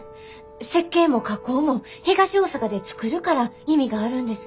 設計も加工も東大阪で作るから意味があるんです。